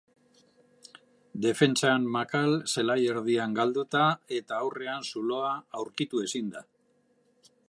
Defentsan makal, zelai erdian galduta eta aurrean zuloa aurkitu ezinda.